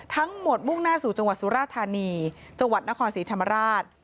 มุ่งหน้าสู่จังหวัดสุราธานีจังหวัดนครศรีธรรมราช